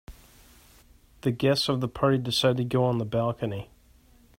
The guests of the party decided to go on the balcony.